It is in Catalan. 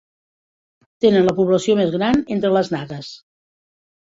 Tenen la població més gran entre les nagues.